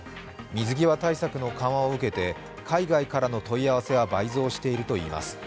水際対策の緩和を受けて海外からの問い合わせは倍増しているといいます。